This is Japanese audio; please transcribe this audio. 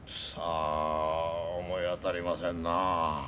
さあ思いあたりませんな。